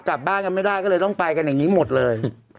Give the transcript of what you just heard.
กลับบ้านกันไม่ได้ก็เลยต้องไปกันอย่างนี้หมดเลย